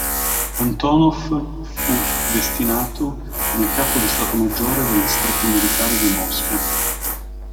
Antonov fu destinato come capo di stato maggiore del distretto militare di Mosca.